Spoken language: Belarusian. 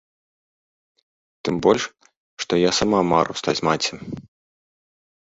Тым больш, што я саму мару стаць маці.